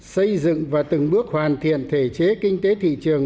xây dựng và từng bước hoàn thiện thể chế kinh tế thị trường